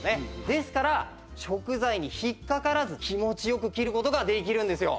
ですから食材に引っかからず気持ち良く切る事ができるんですよ。